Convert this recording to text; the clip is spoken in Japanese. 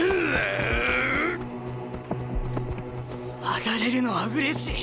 上がれるのはうれしい。